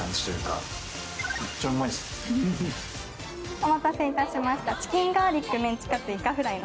お待たせいたしました。